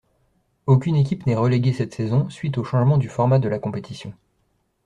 Aucune équipe n'est reléguée cette saison, suite au changement du format de la compétition.